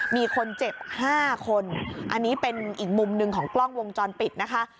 มีคนเจ็บ๕คนอันนี้เป็นอีกมุมหนึ่งของกล้องวงจรปิดนะคะ